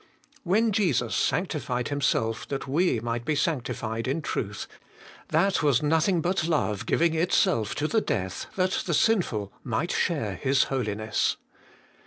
When Jesus sanctified Himself that we might be sanctified in truth, that was nothing but love giving itself to the death that the sinful might share His holi ness.